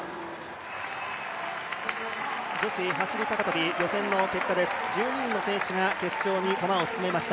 女子走高跳予選の結果です、１２人の選手が決勝に駒を進めまし